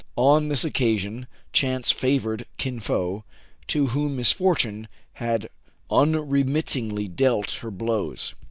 On this occasion chance favored Kin Fo, to whom misfortune had unremittingly dealt her blows.